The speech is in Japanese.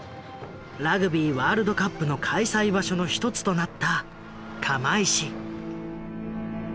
ラグビーワールドカップの開催場所の一つとなった釜石。